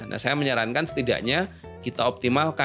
nah saya menyarankan setidaknya kita optimalkan